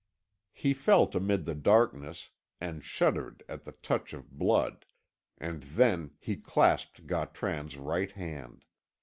He felt amid the darkness and shuddered at the touch of blood, and then he clasped Gautran's right hand.